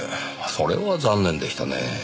それは残念でしたねぇ。